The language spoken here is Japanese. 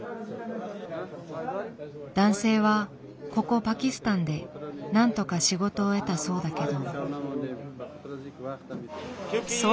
男性はここパキスタンでなんとか仕事を得たそうだけど。